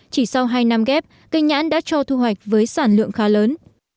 chỉ sau hai năm ghép cây nhãn đã cho thu hoạch với sản lượng khá lớn